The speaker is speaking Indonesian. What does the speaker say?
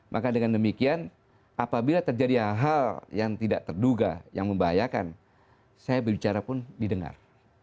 maka dengan demikian apabila terjadi hal hal yang tidak terduga yang membahayakan saya berbicara pun didengar